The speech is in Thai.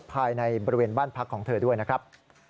ภายในบริเวณบ้านพักของเธอด้วยนะครับ